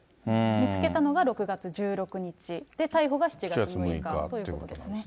見つけたのが６月１６日、逮捕が７月６日ということですね。